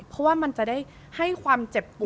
เพราะว่ามันจะได้ให้ความเจ็บปวด